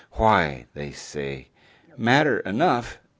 "Why," they say, "matter enough!